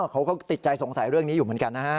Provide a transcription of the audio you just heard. เขาก็ติดใจสงสัยเรื่องนี้อยู่เหมือนกันนะฮะ